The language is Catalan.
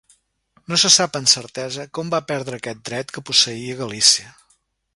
No se sap amb certesa com va perdre aquest dret que posseïa Galícia.